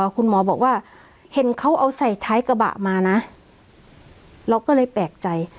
คุณหมอบอกว่าเห็นเขาเอาใส่ท้ายกระบะมานะเราก็เลยแปลกใจ